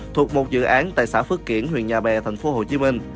thuộc một dự án tại xã phước kiển huyện nhà bè tp hcm